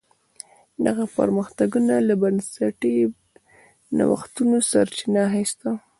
دغه پرمختګونو له بنسټي نوښتونو سرچینه اخیسته.